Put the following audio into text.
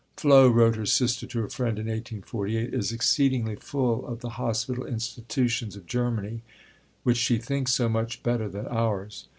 "Flo," wrote her sister to a friend in 1848, "is exceedingly full of the Hospital Institutions of Germany, which she thinks so much better than ours.